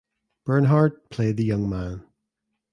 Bernhardt played the young man.